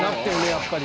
やっぱり。